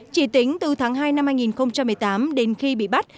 chỉ tính từ tháng hai năm hai nghìn một mươi tám đến khi bị bắt